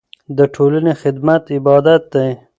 د ټولنې خدمت عبادت دی.